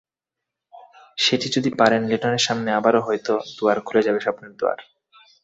সেটি যদি পারেন, লিটনের সামনে আবারও হয়তো খুলে যাবে স্বপ্নের দুয়ার।